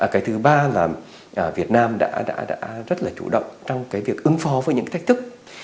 cái thứ ba là việt nam đã rất là chủ động trong cái việc ứng phó với những thách thức